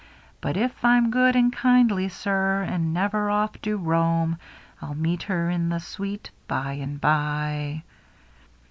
But if I'm good and kindly, sir. And never off do roam, I'll meet her in the sweet by and by.'